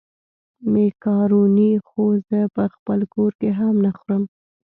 مېکاروني خو زه په خپل کور کې هم نه خورم.